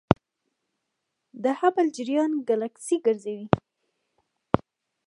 د هبل جریان ګلکسي ګرځوي.